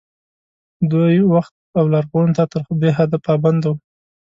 دوی وخت او لارښوونو ته تر دې حده پابند وو.